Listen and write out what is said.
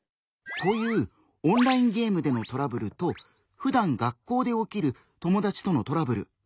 こういうオンラインゲームでのトラブルとふだん学校で起きる友達とのトラブル。